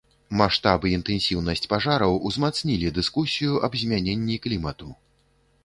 Маштаб і інтэнсіўнасць пажараў узмацнілі дыскусію аб змяненні клімату.